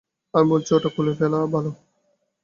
আমি বলছি ওটা খুলে ফেলা ভালো।